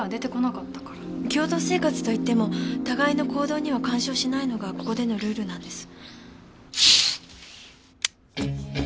共同生活といっても互いの行動には干渉しないのがここでのルールなんです。